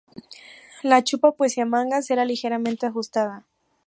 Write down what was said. La chupa poseía mangas y era ligeramente ajustada.